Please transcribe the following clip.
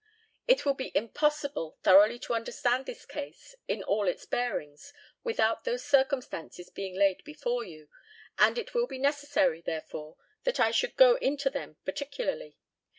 It will be impossible thoroughly to understand this case in all its bearings without those circumstances being laid before you, and it will be necessary, therefore, that I should go into them particularly.